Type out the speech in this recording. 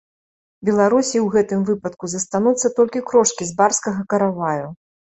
Беларусі ў гэтым выпадку застануцца толькі крошкі з барскага караваю.